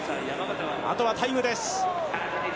あとはタイムです。